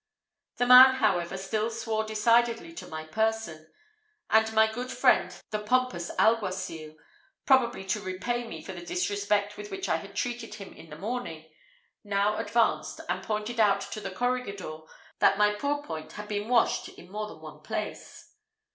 The man, however, still swore decidedly to my person; and my good friend the pompous alguacil, probably to repay me for the disrespect with which I had treated him in the morning, now advanced, and pointed out to the corregidor that my pourpoint had been washed in more than one place.